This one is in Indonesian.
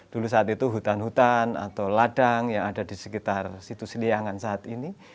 dulu saat itu hutan hutan atau ladang yang ada di sekitar situs liangan saat ini